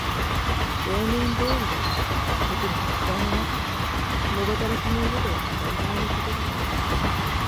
例年通りだった。特に落胆はなかった。共働きの家では当たり前のことだから。